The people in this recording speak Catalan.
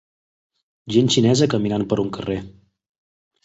Gent xinesa caminant per un carrer.